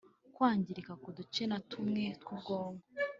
kwangirika k’uduce tumwe na tumwe tw’ubwonko